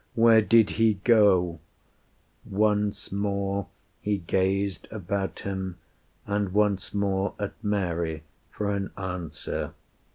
"Where did He go?" Once more he gazed about him, and once more At Mary for an answer.